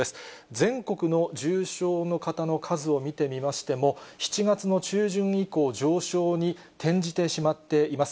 全国の重症の方の数を見てみましても、７月の中旬以降、上昇に転じてしまっています。